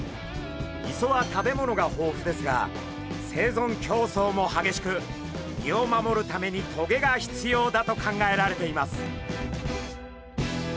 磯は食べ物が豊富ですが生存競争も激しく身を守るために棘が必要だと考えられています。